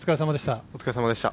お疲れさまでした。